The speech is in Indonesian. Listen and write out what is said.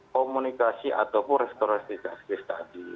komunikasi ataupun restorasi justice tadi